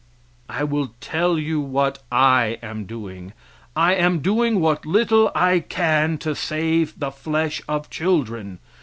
I will tell you what I am doing; I am doing what little I can to save the flesh of children.